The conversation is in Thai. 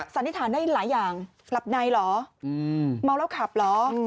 สันนิษฐานได้หลายอย่างหลับในเหรอเมาแล้วขับเหรอ